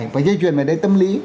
phải dây chuyển về tâm lý